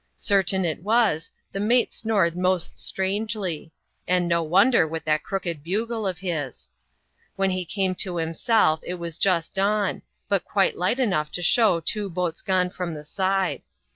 Certain it was, the mate snored most strangely; and no wonder, with that crooked bugle of his. When he came to himself it was just dawn, but quite light enough to show two boats gone from the side.